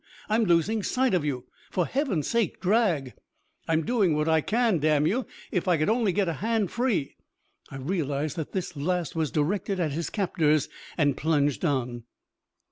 I'm losing sight of you. For heaven's sake, drag!" "I'm doing what I can. Damn you, if I could only get a hand free " I realized that this last was directed at his captors, and plunged on.